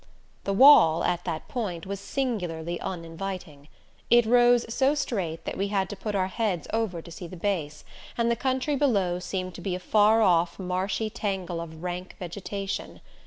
The wall at that point was singularly uninviting. It rose so straight that we had to put our heads over to see the base, and the country below seemed to be a far off marshy tangle of rank vegetation.